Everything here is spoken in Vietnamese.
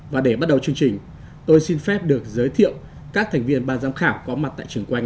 và để bắt đầu chương trình tôi xin phép được giới thiệu các thành viên ban giám khảo có mặt tại trường quanh